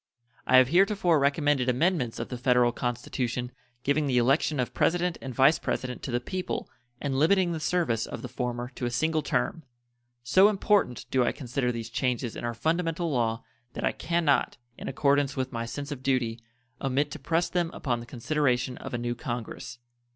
I have heretofore recommended amendments of the Federal Constitution giving the election of President and Vice President to the people and limiting the service of the former to a single term. So important do I consider these changes in our fundamental law that I can not, in accordance with my sense of duty, omit to press them upon the consideration of a new Congress.